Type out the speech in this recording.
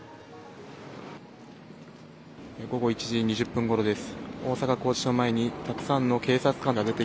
午後１時２０分ごろです。